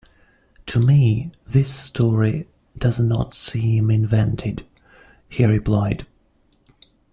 "To me this story does not seem invented," he replied.